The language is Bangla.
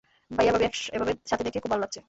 ভাইয়া আর ভাবি এভাবে সাথে দেখে, খুব ভালো লাগছে।